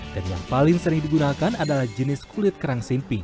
dan yang paling sering digunakan adalah jenis kulit kerang simping